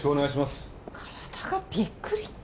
体がびっくりって。